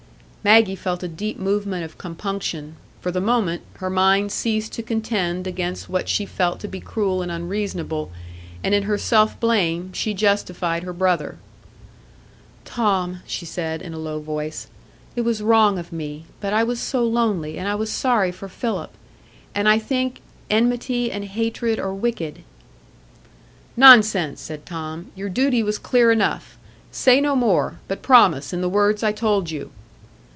Maggie felt a deep movement of compunction; for the moment, her mind ceased to contend against what she felt to be cruel and unreasonable, and in her self blame she justified her brother. "Tom," she said in a low voice, "it was wrong of me; but I was so lonely, and I was sorry for Philip. And I think enmity and hatred are wicked." "Nonsense!" said Tom. "Your duty was clear enough. Say no more; but promise, in the words I told you."